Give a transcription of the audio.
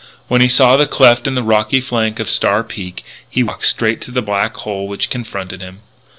When he saw the cleft in the rocky flank of Star Peak, he walked straight to the black hole which confronted him.